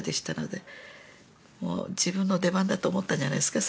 もう自分の出番だと思ったんじゃないですか